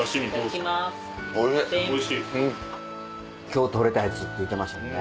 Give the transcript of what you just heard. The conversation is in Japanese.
今日取れたやつって言うてましたもんね。